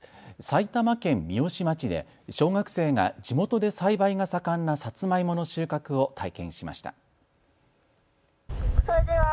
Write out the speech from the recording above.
埼玉県三芳町で小学生が地元で栽培が盛んなさつまいもの収穫を体験しました。